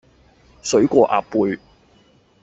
水過鴨背